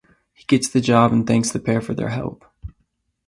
He gets the job and thanks the pair for their help.